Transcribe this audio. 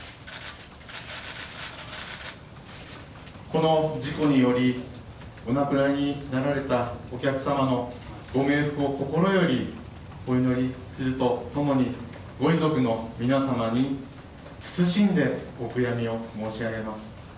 この事故によりお亡くなりになられたお客様のご冥福を心よりお祈りすると共にご遺族の皆様に謹んでお悔やみを申し上げます。